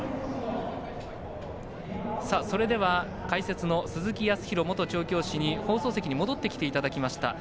それでは解説の鈴木康弘元調教師に放送席に戻ってきていただきました。